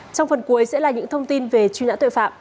trong phần cuối sẽ là những thông tin về truy nã tội phạm